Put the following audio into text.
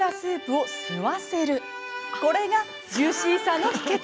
これがジューシーさの秘けつ！